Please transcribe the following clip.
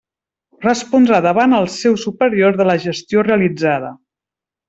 Respondrà davant el seu superior de la gestió realitzada.